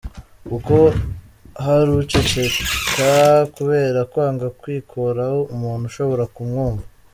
Kuko hari Uceceka kubera kwanga kwikoraho umuntu ashobora kumwumva.